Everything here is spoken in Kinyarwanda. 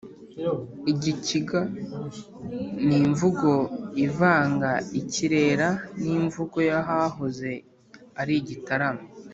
igikiga: ni imvugo ivanga ikirera n’imvugo y’ahahoze ari gitarama